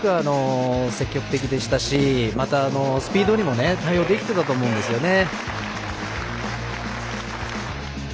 すごく積極的でしたしまたスピードにも対応できたと思いますね。